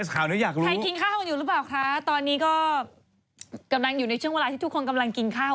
อยากรู้ใครกินข้าวกันอยู่หรือเปล่าคะตอนนี้ก็กำลังอยู่ในช่วงเวลาที่ทุกคนกำลังกินข้าว